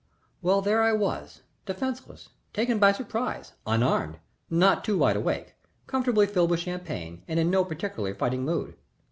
Well, there I was. Defenceless, taken by surprise, unarmed, not too wide awake, comfortably filled with champagne and in no particularly fighting mood.